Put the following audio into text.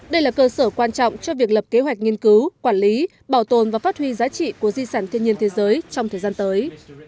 đây là cơ sở quan trọng cho việc lập kế hoạch nghiên cứu quản lý bảo tồn và phát huy giá trị của di sản thiên nhiên thế giới trong thời gian tới